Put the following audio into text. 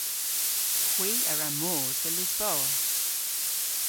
Hwi a wra mos dhe Lisboa.